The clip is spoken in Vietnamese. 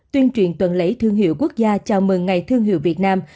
tuyên truyền tuần lễ thương hiệu quốc gia chào mừng ngày thương hiệu việt nam